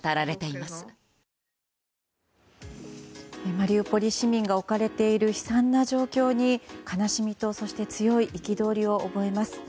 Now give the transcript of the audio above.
マリウポリ市民が置かれている悲惨な状況に悲しみとそして強い憤りを覚えます。